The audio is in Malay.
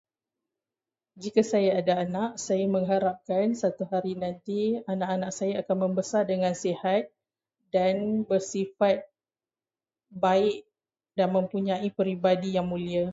Jika saya ada anak, saya mengharapkan satu hari nanti anak-anak saya akan membesar dengan sihat dan bersifat baik, dan mempunyai peribadi yang mulia.